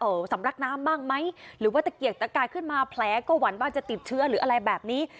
สำรักน้ำบ้างไหมหรือว่าตะเกียกตะกายขึ้นมาแผลก็หวั่นว่าจะติดเชื้อหรืออะไรแบบนี้